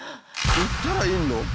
行ったらいるの？